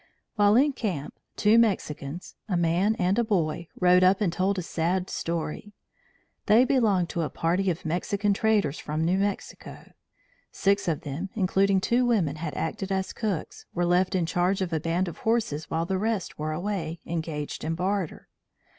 While in camp two Mexicans, a man and a boy, rode up and told a sad story. They belonged to a party of Mexican traders from New Mexico. Six of them, including two women who acted as cooks, were left in charge of a band of horses while the rest were away, engaged in barter.